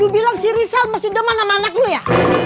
lu bilang si rizal masih demam sama anak lu ya